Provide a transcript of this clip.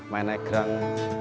main naik gerang